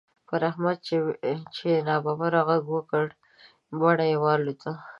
پر احمد چې يې ناببره غږ وکړ؛ بڼه يې والوته.